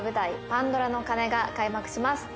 「パンドラの鐘」が開幕します